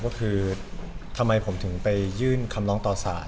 ก็คือทำไมผมถึงไปยื่นคำร้องต่อสาร